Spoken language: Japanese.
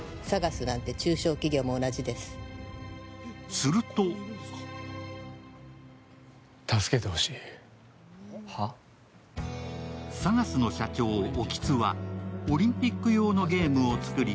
するとＳＡＧＡＳの社長・興津はオリンピック用のゲームを作り